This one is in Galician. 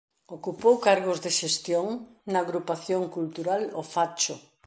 Ocupou cargos de xestión na Agrupación Cultural O Facho.